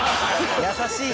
優しい人。